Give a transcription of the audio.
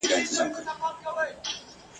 چي دا سپین ږیري دروغ وايي که ریشتیا سمېږي !.